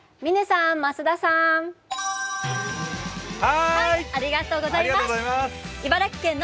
嶺さん、増田さーん。